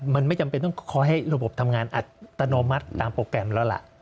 มันไม่จำเป็นต้องขอให้ระบบทำงานอัตโนมัติตามโปรแกรมแล้วล่ะ